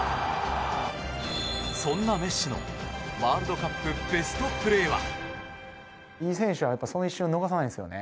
そんなメッシのワールドカップベストプレーは？